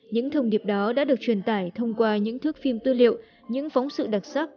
những thông điệp đó đã được truyền tải thông qua những thước phim tư liệu những phóng sự đặc sắc